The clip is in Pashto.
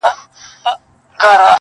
• سپینه آیینه سوم له غباره وځم,